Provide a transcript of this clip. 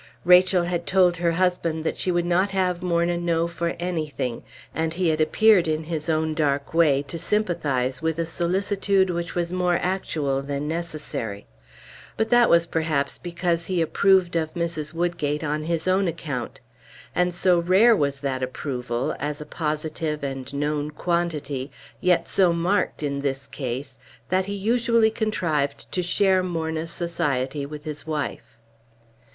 Rachel had told her husband that she would not have Morna know for anything; and he had appeared in his own dark way to sympathize with a solicitude which was more actual than necessary; but that was perhaps because he approved of Mrs. Woodgate on his own account. And so rare was that approval, as a positive and known quantity, yet so marked in this case, that he usually contrived to share Morna's society with his wife.